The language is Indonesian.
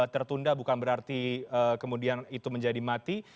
tertunda bukan berarti kemudian itu menjadi mati